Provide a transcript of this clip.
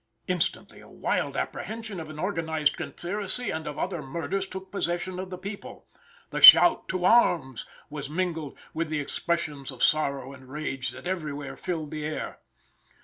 Instantly a wild apprehension of an organized conspiracy and of other murders took possession of the people. The shout "to arms!" was mingled with the expressions of sorrow and rage that everywhere filled the air.